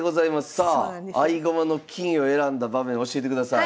さあ合駒の金を選んだ場面教えてください。